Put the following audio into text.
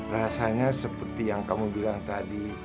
rasanya seperti yang kamu bilang tadi